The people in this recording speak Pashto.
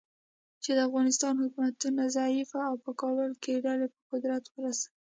چې د افغانستان حکومتونه ضعیفه او په کابل کې ډلې په قدرت ورسوي.